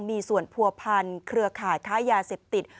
มีส่วนผัวพันเครือข่ายค้ายาเสพติด